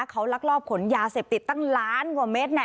เขาลักลอบขนยาเสพติดตั้งล้านกว่าเม็ด